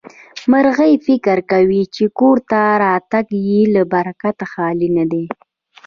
مرغۍ فکر کوي چې کور ته راتګ يې له برکته خالي نه دی.